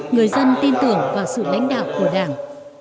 người dân tin tưởng vào sự lãnh đạo của đảng